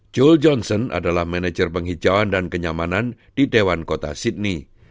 jule johnson adalah manajer penghijauan dan kenyamanan di dewan kota sydney